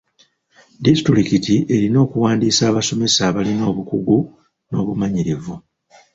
Disitulikiti erina okuwandiisa abasomesa abalina obukugu n'obumanyirivu.